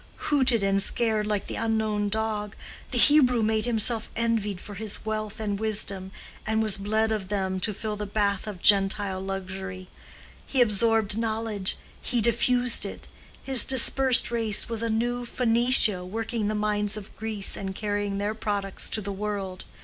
Hooted and scared like the unknown dog, the Hebrew made himself envied for his wealth and wisdom, and was bled of them to fill the bath of Gentile luxury; he absorbed knowledge, he diffused it; his dispersed race was a new Phoenicia working the mines of Greece and carrying their products to the world.